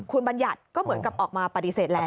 คุณบัญญัติก็เหมือนกับออกมาปฏิเสธแล้ว